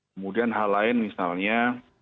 kemudian hal lain misalnya